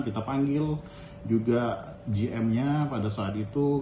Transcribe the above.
kita panggil juga gm nya pada saat itu